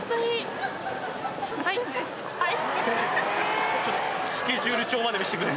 はい。